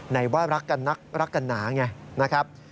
ไหนว่ารักกันนักรักกันหนาไงนะครับ